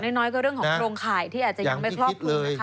อย่างน้อยก็เรื่องของโครงข่ายที่อาจจะยังไม่ครอบถุนะคะอย่างที่คิดเลย